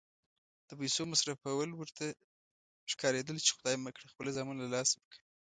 د پیسو مصرفول ورته ښکارېدل چې خدای مه کړه خپل زامن له لاسه ورکوي.